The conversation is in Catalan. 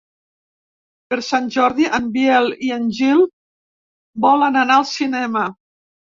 Per Sant Jordi en Biel i en Gil volen anar al cinema.